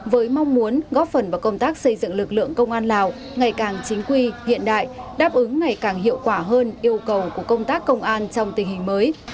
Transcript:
với mong muốn góp phần vào công tác xây dựng lực lượng công an lào ngày càng chính quy hiện đại đáp ứng ngày càng hiệu quả hơn yêu cầu của công tác công an trong tình hình mới